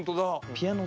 ピアノ